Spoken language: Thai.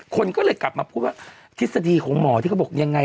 คนก็เลยกลับมาพูดว่าทฤษฎีของหมอที่เขาบอกยังไง